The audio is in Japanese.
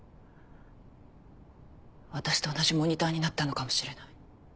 私と同じモニターになったのかもしれない。